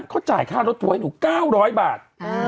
เขาจ่ายค่ารถทัวร์ให้หนู๙๐๐บาท